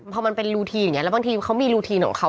พอมันเป็นรูทีนอย่างนี้แล้วบางทีเขามีรูทีนของเขา